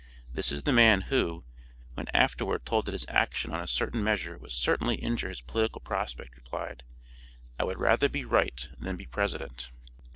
This is the man who, when afterward told that his action on a certain measure would certainly injure his political prospect replied, "I WOULD RATHER BE RIGHT THAN BE PRESIDENT."